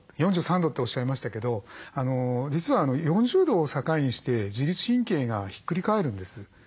４３度っておっしゃいましたけど実は４０度を境にして自律神経がひっくり返るんです。